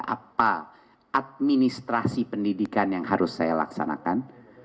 apa administrasi pendidikan yang harus saya laksanakan